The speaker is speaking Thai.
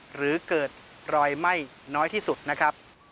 หรือเกิดรอยไหม้น้อยที่สุดนะครับ